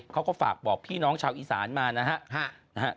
เขาก็ฝากบอกพี่น้องชาวอีสานมานะครับ